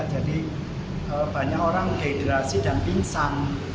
jadi banyak orang dehidrasi dan pingsan